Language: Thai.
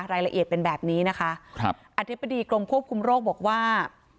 รายละเอียดเป็นแบบนี้นะคะครับอธิบดีกรมควบคุมโรคบอกว่า